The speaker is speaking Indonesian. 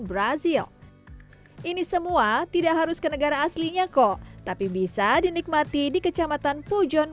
brazil ini semua tidak harus ke negara aslinya kok tapi bisa dinikmati di kecamatan pujon